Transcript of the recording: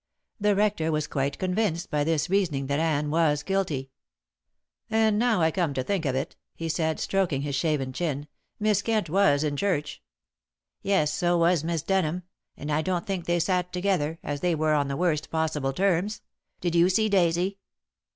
The rector was quite convinced by this reasoning that Anne was guilty. "And now I come to think of it," he said, stroking his shaven chin, "Miss Kent was in church." "Yes, so was Miss Denham; but I don't think they sat together, as they were on the worst possible terms. Did you see Daisy?"